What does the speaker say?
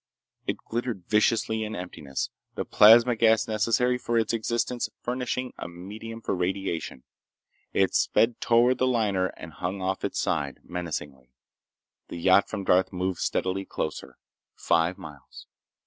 It glittered viciously in emptiness, the plasma gas necessary for its existence furnishing a medium for radiation. It sped toward the liner and hung off its side, menacingly. The yacht from Darth moved steadily closer. Five miles.